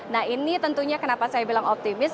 nah ini tentunya kenapa saya bilang optimis